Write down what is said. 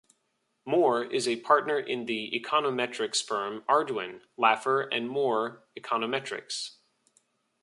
Moore is a partner in the econometrics firm Arduin, Laffer and Moore Econometrics.